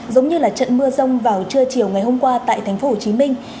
giống như trận mưa rông vào trưa chiều ngày hôm qua tại thành phố hồ chí minh